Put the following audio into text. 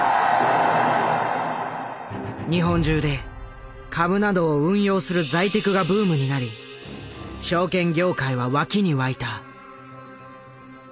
日本中で株などを運用する「財テク」がブームになり証券業界は沸きに沸いた。